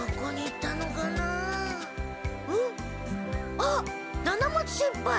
あっ七松先輩。